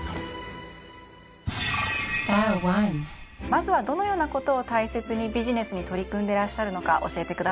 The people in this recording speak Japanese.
まずはどのようなことを大切にビジネスに取り組んでらっしゃるのか教えてください。